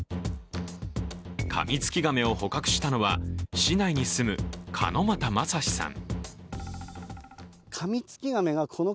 カミツキガメを捕獲したのは市内に住む鹿又将志さん。